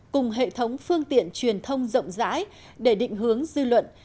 cùng hệ thống phương tiện truyền thông rộng rãi để định hướng dư luận